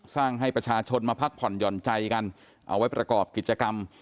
ให้ประชาชนมาพักผ่อนหย่อนใจกันเอาไว้ประกอบกิจกรรม